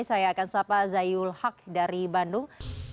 saya akan sapa zayul haq dari bandung